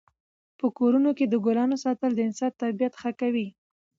په کورونو کې د ګلانو ساتل د انسان طبعیت ښه کوي.